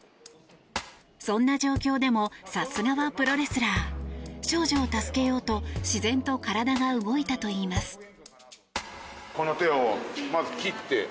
そんな状況でもさすがはプロレスラー少女を助けようと自然と体が動いたといいます。